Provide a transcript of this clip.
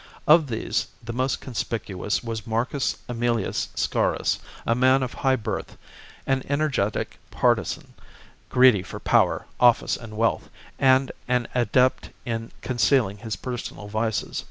Of these the most conspicuous was Marcus Aemilius Scaurus, a man of high birth, an energetic partisan, greedy for power, office, and wealth, and an adept in concealing his personal vices.